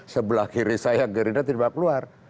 sebelah kiri saya gerindra tidak keluar